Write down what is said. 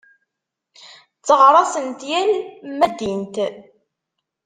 Tteɣraṣent yal ma ldint.